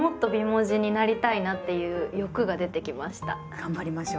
頑張りましょう！